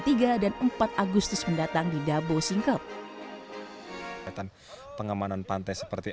tiga dan empat agustus mendatang di dabo singkep pengamanan pantai seperti